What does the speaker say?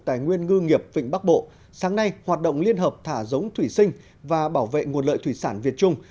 tài nguyên ngư nghiệp vịnh bắc bộ sáng nay hoạt động liên hợp thả giống thủy sinh và bảo vệ nguồn lợi thủy sản việt trung